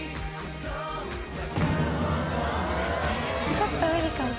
ちょっと無理かも。